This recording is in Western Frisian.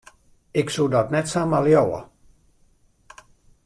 Ik soe dat net samar leauwe.